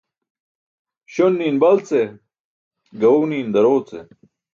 Śon ni̇i̇n bal ce, ġaẏu ni̇i̇n daroġo ce.